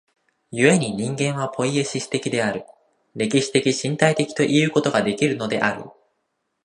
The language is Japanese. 故に人間はポイエシス的である、歴史的身体的ということができるのである。